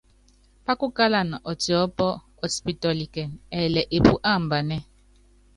Pákukálana ɔtiɔ́pɔ́, ɔtipítɔ́líkínɛ, ɛɛlɛ epú ambanɛ́ɛ.